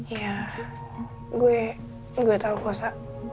iya gue tau kok sa